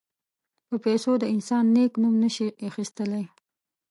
په پیسو د انسان نېک نوم نه شي اخیستلای.